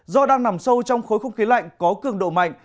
do đang nằm sâu trong khối không khí lạnh có cường độ mạnh